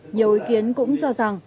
nhiều ý kiến cũng cho rằng